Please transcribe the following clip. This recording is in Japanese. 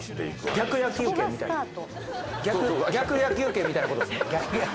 逆野球拳みたいなことっすね。